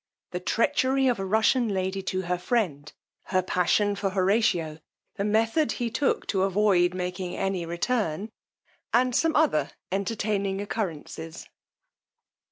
_The treachery of a Russian lady to her friend: her passion for Horatio: the method he took to avoid making any return, and some other entertaining occurrences.